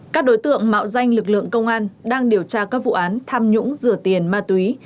các đối tượng mạo danh lực lượng công an đang điều tra các vụ án tham nhũng rửa tiền ma túy